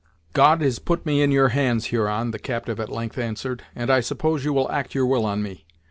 "God has put me in your hands, Huron," the captive at length answered, "and I suppose you will act your will on me.